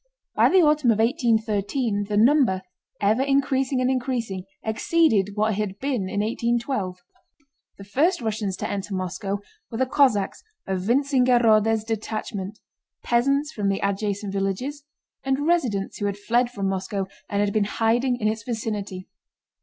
By the autumn of 1813 the number, ever increasing and increasing, exceeded what it had been in 1812. The first Russians to enter Moscow were the Cossacks of Wintzingerode's detachment, peasants from the adjacent villages, and residents who had fled from Moscow and had been hiding in its vicinity.